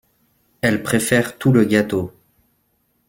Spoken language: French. Elle préfère tout le gâteau.